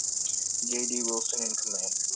J. D. Wilson in command.